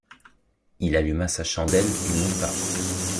Il alluma sa chandelle et monta.